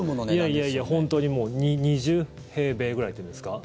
いやいや、本当にもう２０平米ぐらいというんですか。